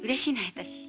私。